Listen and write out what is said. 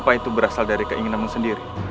apa itu berasal dari keinginanmu sendiri